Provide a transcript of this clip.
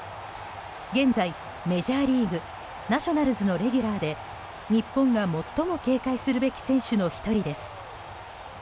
現在、メジャーリーグナショナルズのレギュラーで日本が最も警戒するべき選手の１人です。